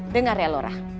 dengar ya lora